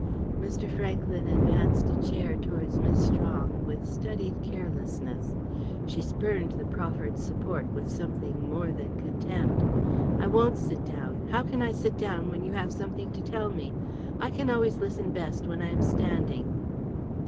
Mr. Franklyn advanced a chair towards Miss Strong with studied carelessness. She spurned the proffered support with something more than contempt. "I won't sit down. How can I sit down when you have something to tell me? I can always listen best when I am standing."